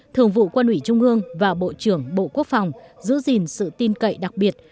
thường vụ quân ủy trung ương và bộ trưởng bộ quốc phòng giữ gìn sự tin cậy đặc biệt